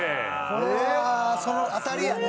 これは当たりやね。